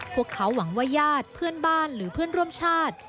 พวกเขาหวังว่าญาติเพื่อนบ้านหรือเพื่อนร่วมชาติ